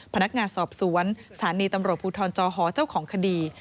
พนักงานสอบสวนสถานีตำรวจภูทรจอหอเจ้าของคดี